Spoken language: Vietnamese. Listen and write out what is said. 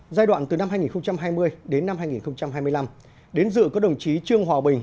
giai đoạn từ năm hai nghìn hai mươi đến năm hai nghìn hai mươi năm đến dự có đồng chí trương hòa bình